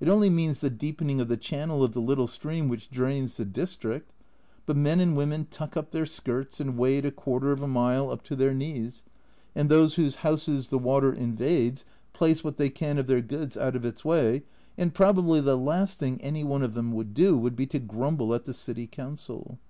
It only means the deepening of the channel of the little stream which drains the district but men and women tuck up their skirts and wade a quarter of a mile up to their knees, and those whose houses the water invades place what they can of their goods out of its way and probably the last thing any one of them would do would be to grumble at the City Council.